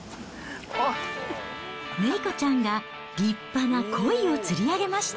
めいこちゃんが立派なコイを釣り上げました。